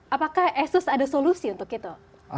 apakah asus ada solusi untuk itu